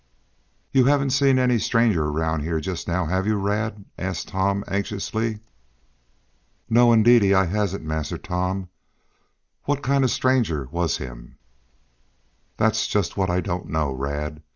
"You haven't seen any strangers around here just now, have you, Rad?" asked Tom anxiously. "No, indeedy, I hasn't, Massa Tom. What fo' kind ob a stranger was him?" "That's just what I don't know. Rad.